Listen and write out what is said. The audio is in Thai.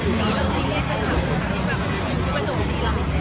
หรือแบบที่มาโจมตีแล้วไม่ได้